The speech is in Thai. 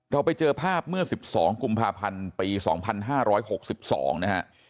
เราไปเจอภาพเมื่อสิบสองกุมภาพันธ์ปีสองพันห้าร้อยหกสิบสองนะฮะ